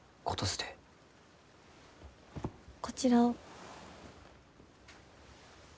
こちらを。